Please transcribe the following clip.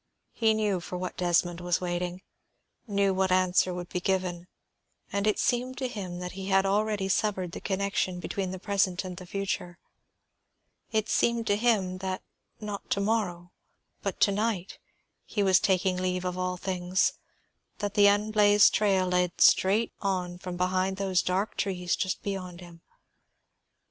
He knew for what Desmond was waiting, knew what answer would be given, and it seemed to him that he had already severed the connection between the present and the future. It seemed to him that not to morrow, but to night, he was taking leave of all things; that the unblazed trail led straight on from behind those dark trees just beyond him.